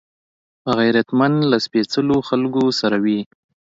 غیرتمند له سپېڅلو خلکو سره وي